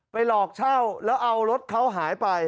หลอกเช่าแล้วเอารถเขาหายไป